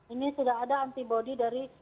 ini sudah ada antibody dari